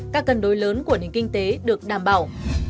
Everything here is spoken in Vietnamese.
các cân đối lớn của nền kinh tế được đảm bảo